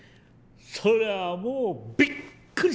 そりゃもうびっくりしました！